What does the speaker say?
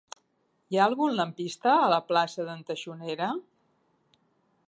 Hi ha algun lampista a la plaça d'en Taxonera?